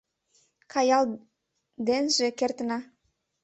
Каялденже кертына.